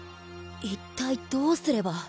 一体どうすれば？